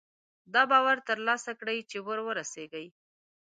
دا باور ترلاسه کړي چې وررسېږي.